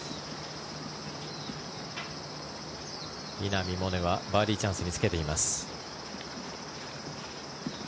稲見萌寧はバーディーチャンスにつけています。